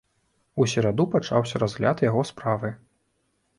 У сераду пачаўся разгляд яго справы.